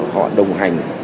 họ đồng hành